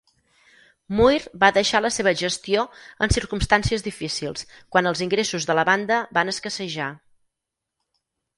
Muir va deixar la seva gestió en circumstàncies difícils quan els ingressos de la banda van escassejar.